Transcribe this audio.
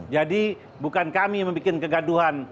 jadi bukan kami yang membuat kegaduhan